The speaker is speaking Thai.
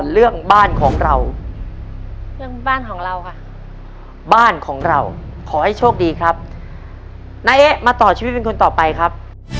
เราค่ะบ้านของเราขอให้โชคดีครับนาเอ๊ะมาต่อชีวิตเป็นคนต่อไปครับ